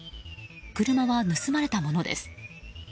車は盗まれたものです。